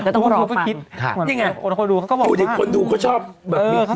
ก็ต้องรอบค่ะนี่ไงคนคนดูเขาก็บอกว่าคนดูเขาชอบแบบ